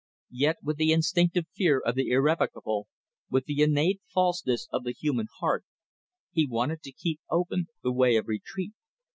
Yet with the instinctive fear of the irrevocable, with the innate falseness of the human heart, he wanted to keep open the way of retreat.